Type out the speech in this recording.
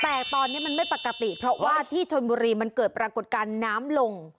แต่ตอนนี้มันไม่ปกติเพราะว่าที่ชนบุรีมันเกิดปรากฏการณ์น้ำลง